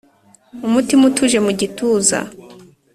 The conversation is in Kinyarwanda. Umutima utuje mu gituza